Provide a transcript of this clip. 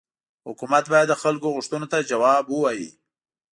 حکومت باید د خلکو غوښتنو ته جواب ووايي.